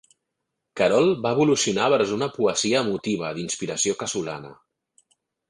Querol va evolucionar vers una poesia emotiva d'inspiració casolana.